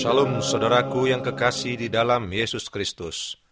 salam saudaraku yang kekasih di dalam yesus kristus